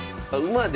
馬で。